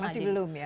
masih belum ya